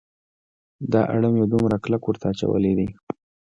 دا اړم یې دومره کلک ورته اچولی دی.